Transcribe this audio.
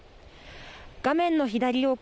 画面の左奥